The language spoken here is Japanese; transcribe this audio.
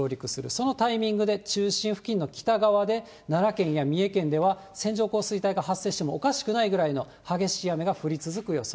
そのタイミングで中心付近の北側で奈良県や三重県では線状降水帯が発生してもおかしくないぐらいの激しい雨が降り続く予想。